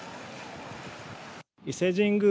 伊勢神宮